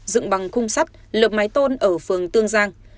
dựng bằng khung sắt lợp mái tôn ở phường tương giang